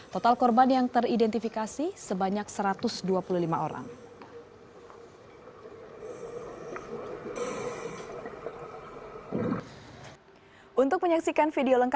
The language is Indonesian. total korban yang teridentifikasi sebanyak satu ratus dua puluh lima orang